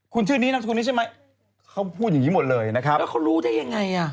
คุณชื่อนี้นามสกุลนี้ใช่ไหมเขาพูดอย่างนี้หมดเลยนะครับแล้วเขารู้ได้ยังไงอ่ะ